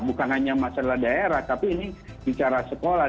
bukan hanya masalah daerah tapi ini bicara sekolah